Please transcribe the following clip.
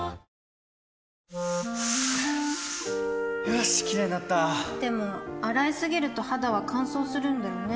よしキレイになったでも、洗いすぎると肌は乾燥するんだよね